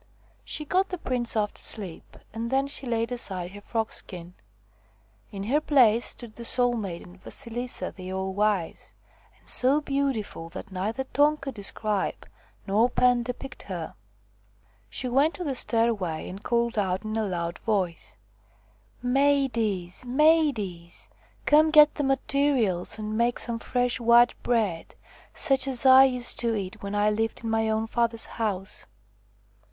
She got the prince off to sleep, and then she laid 118 THE FROG QUEEN aside her frogskin. In her place stood the Soul maiden, Vasilisathe All wise, and so beautiful that neither tongue could describe nor pen depict her. She went to the stairway and called out in a loud voice :" Maidies ! maidies ! come get the materials and make some fresh white bread, such as I used to eat when I lived in my own father's house